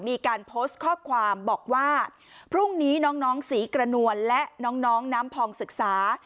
มีการโพสต์ข้อความบอกว่าพรุ่งนี้น้องศรีกระนวลและน้องน้ำพองศึกษา